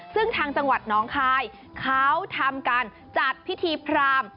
ซึ่งทางจังหวัดน้องคายเขาทำการจัดพิธีพราม